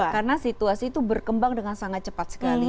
karena situasi itu berkembang dengan sangat cepat sekali